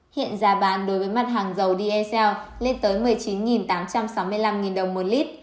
hiện giá bán đối với mặt hàng dầu dsn lên tới một mươi chín tám trăm sáu mươi năm đồng một lít